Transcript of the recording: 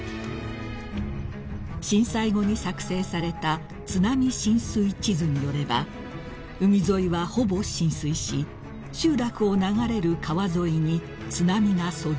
［震災後に作製された津波浸水地図によれば海沿いはほぼ浸水し集落を流れる川沿いに津波が遡上］